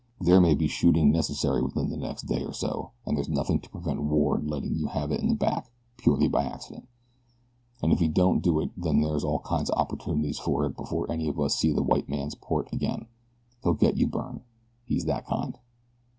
There may be shooting necessary within the next day or so, and there's nothing to prevent Ward letting you have it in the back, purely by accident; and if he don't do it then there'll be all kinds of opportunities for it before any of us ever see a white man's port again. He'll get you, Byrne, he's that kind.